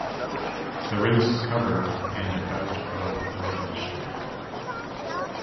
The race covered and about of elevation.